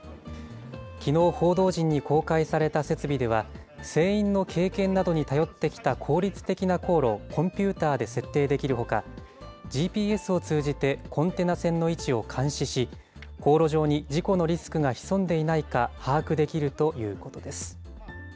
きのう、報道陣に公開された設備では、船員の経験などに頼ってきた効率的な航路をコンピューターで設定できるほか、ＧＰＳを通じて、コンテナ船の位置を監視し、航路上に事故のリスクが潜んでいないか、把握できるということです。